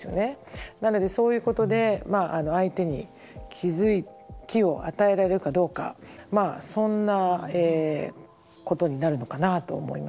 なのでそういうことで相手に気付きを与えられるかどうかそんなことになるのかなと思います。